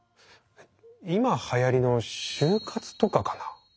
今はやりの終活とかかな？